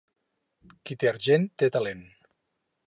Qui té argent, té talent.